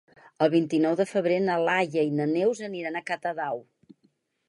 El vint-i-nou de febrer na Laia i na Neus aniran a Catadau.